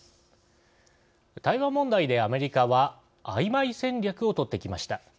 台湾問題で、アメリカはあいまい戦略をとってきました。